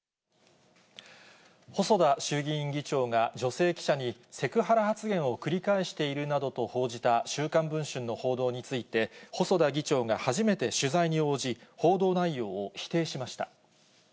細田衆議院議長が女性記者に、セクハラ発言を繰り返しているなどと報じた週刊文春の報道について、細田議長が初めて取材に応じ、報道内容を否定しました。